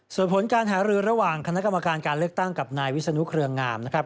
ส่วนผลการหารือระหว่างคณะกรรมการการเลือกตั้งกับนายวิศนุเครืองามนะครับ